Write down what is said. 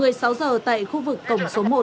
một mươi sáu h tại khu vực tổng số một